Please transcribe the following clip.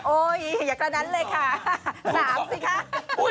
อย่ากระนั้นเลยค่ะ๓สิคะ